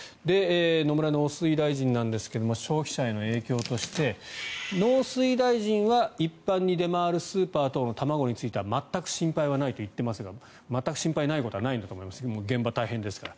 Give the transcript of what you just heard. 野村農水大臣なんですが消費者への影響として農水大臣は、一般に出回るスーパー等の卵については全く心配はないと言っていますが全く心配ないことはないと思いますが現場、大変ですから。